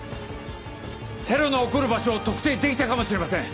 テロの起こる場所を特定できたかもしれません。